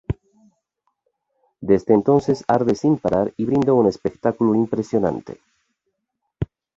Desde entonces arde sin parar y brinda un espectáculo impresionante.